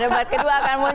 debat kedua akan muncul